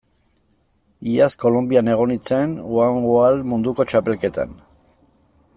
Iaz Kolonbian egon nintzen one wall munduko txapelketan.